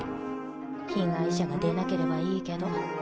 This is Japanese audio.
被害者が出なければいいけど。